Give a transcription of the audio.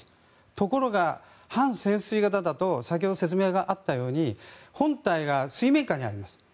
ところが、半潜水型だと先ほど説明があったように本体が水面下にあります。